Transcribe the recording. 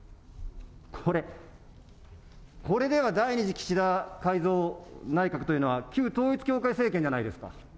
これ、これでは第２次岸田改造内閣というのは、旧統一教会政権じゃないですか。